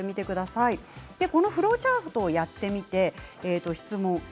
このフローチャートをやってみて質問です。